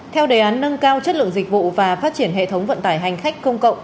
theo đề án nâng cao chất lượng dịch vụ và phát triển hệ thống vận tải hành khách công cộng